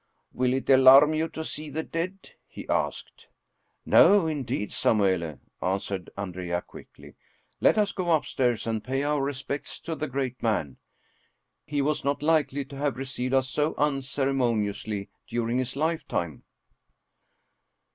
" Will it alarm you to see the dead? " he asked. " No, indeed, Samuele," answered Andrea quickly. " Let us go upstairs and pay our respects to the great man; he was not likely to have received us so unceremoniously' dur ing his lifetime."